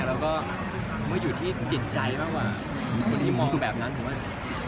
แล้วก็อยู่ที่จิตใจมากว่าคนที่มองแบบนั้นมันก็เป็นน่ารักออก